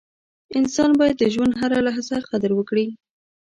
• انسان باید د ژوند هره لحظه قدر وکړي.